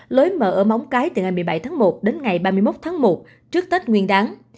lối mở ở móng cái từ ngày một mươi bảy tháng một đến ngày ba mươi một tháng một trước tết nguyên đáng